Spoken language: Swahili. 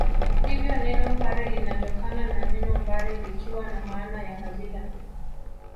Hivyo neno Pare linatokana na neno mbare likiwa na maana ya kabila